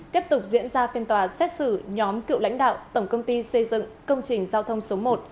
tiếp tục diễn ra phiên tòa xét xử nhóm cựu lãnh đạo tổng công ty xây dựng công trình giao thông số một